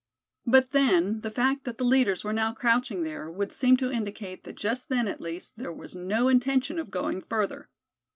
But then, the fact that the leaders were now crouching there would seem to indicate that just then at least there was no intention of going further.